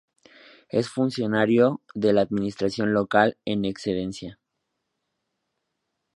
Es funcionario de la Administración local en excedencia.